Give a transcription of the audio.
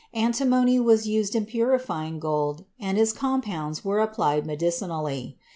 Antimony was used in puri fying gold and its compounds were applied medicinally.